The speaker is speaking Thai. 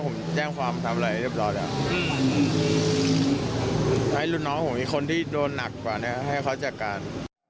มีคนที่โดนหนักกว่าให้เขาจัดการ